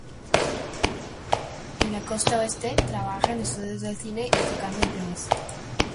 En la "costa Oeste", trabaja en estudios de cine y tocando en clubs.